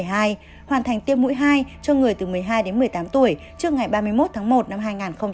hoàn thành tiêm mũi hai cho người từ một mươi hai đến một mươi tám tuổi trước ngày ba mươi một tháng một năm hai nghìn hai mươi